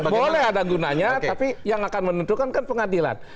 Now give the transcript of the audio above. boleh ada gunanya tapi yang akan menentukan kan pengadilan